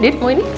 dit mau ini